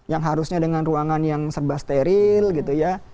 yang harusnya dengan ruangan yang serba steril gitu ya